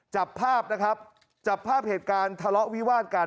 จับภาพนะครับจับภาพเหตุการณ์ทะเลาะวิวาดกัน